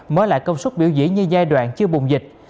mới lại công suất biểu diễn như giai đoạn chưa bùng dịch